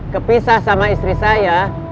kepisah sama istri saya